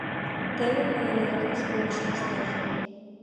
Теве мыйын эргым школыш коштеш.